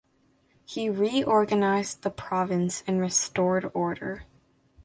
He reorganized the province and restored order.